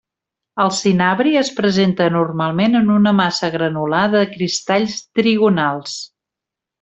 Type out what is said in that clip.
El cinabri es presenta normalment en una massa granular de cristalls trigonals.